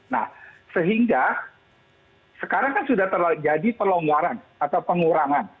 nah sehingga sekarang kan sudah terjadi pelonggaran atau pengurangan